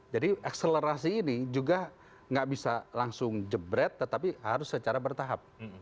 jadi akselerasi ini juga nggak bisa langsung jebret tetapi harus secara bertahap